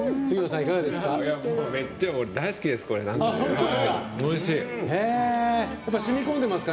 いかがですか？